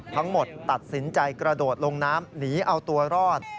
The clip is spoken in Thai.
ทั้งหมดตัดสินใจกระโดดลงน้ำหนีเอาตัวรอด